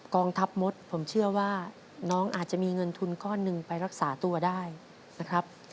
กองทัพมดผมเชื่อว่าน้องอาจจะมีเงินทุนก้อนหนึ่งไปรักษาตัวได้นะครับ